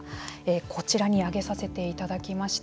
こちらに挙げさせていただきました。